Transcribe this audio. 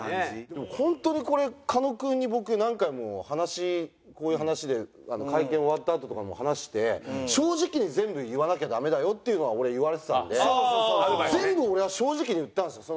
でも本当にこれ狩野君に僕何回も話こういう話で会見終わったあととかも話して正直に全部言わなきゃダメだよっていうのは俺言われてたんで全部俺は正直に言ったんですよ。